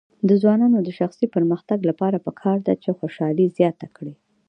د ځوانانو د شخصي پرمختګ لپاره پکار ده چې خوشحالي زیاته کړي.